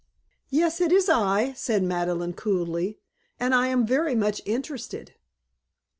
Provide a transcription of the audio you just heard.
"Yes, it is I," said Madeleine coolly. "And I am very much interested."